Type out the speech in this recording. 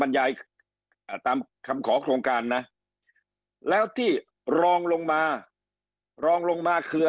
ยายตามคำขอโครงการนะแล้วที่รองลงมารองลงมาคือ